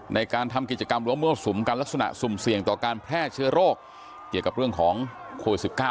ในการทำกิจกรรมหรือว่ามั่วสุมกันลักษณะสุ่มเสี่ยงต่อการแพร่เชื้อโรคเกี่ยวกับเรื่องของโควิด๑๙